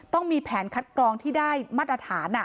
ต้องมีแผนคัดกรองที่ได้มาตรฐาน